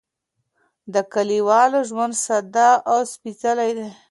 د کليوالو ژوند ساده او سپېڅلی دی.